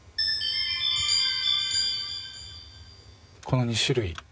この２種類。